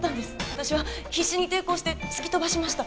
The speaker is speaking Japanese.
私は必死に抵抗して突き飛ばしました